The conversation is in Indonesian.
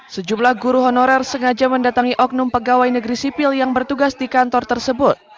sejumlah guru honorer sengaja mendatangi oknum pegawai negeri sipil yang bertugas di kantor tersebut